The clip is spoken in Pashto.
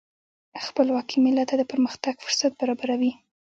خپلواکي ملت ته د پرمختګ فرصت برابروي.